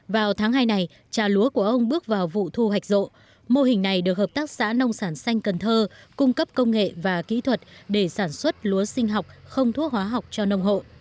vào tháng hai này trà lúa của ông bước vào vụ thu hoạch rộ mô hình này được hợp tác xã nông sản xanh cần thơ cung cấp công nghệ và kỹ thuật để sản xuất lúa sinh học không thuốc hóa học cho nông hộ